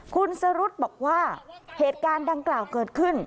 คุณสรุธบอกว่าเหตุการณ์ดังกล่าวเกิดขึ้น